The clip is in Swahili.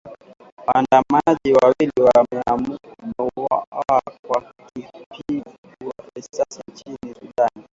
Waandamanaji wawili wameuawa kwa kupigwa risasi nchini Sudan.